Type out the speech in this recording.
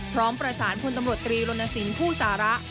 พร้อมประสานพลตำรวจตรีลนสินผู้สาระ